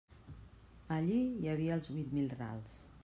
Allí hi havia els huit mil rals.